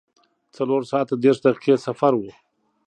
څلور ساعته دېرش دقیقې سفر و.